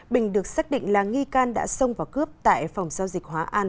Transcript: bình được xác định là nghi can đã xông vào cướp tại phòng giao dịch hóa an